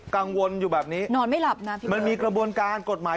กังวลอยู่แบบนี้มันมีกระบวนการกฎหมาย